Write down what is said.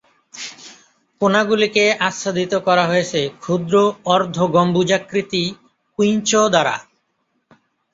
কোণাগুলিকে আচ্ছাদিত করা হয়েছে ক্ষুদ্র অর্ধ-গম্বুজাকৃতি স্কুইঞ্চ দ্বারা।